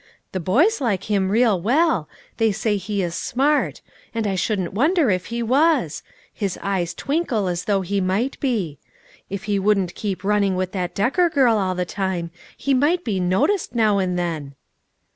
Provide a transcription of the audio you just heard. The hoys like him real well; they say he is smart ; and I shouldn't wonder if he was ; his eyes twinkle as though he might be. If he wouldn't keep running with that Decker girl all the time, he migh be noticed now and then."